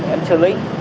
em xử lý